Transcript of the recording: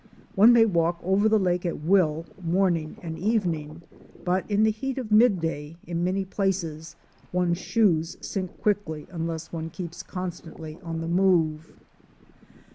One may walk over the lake at will, morning and evening, but in the heat of midday, in many places, one's shoes sink quickly unless one keeps constantly on the move.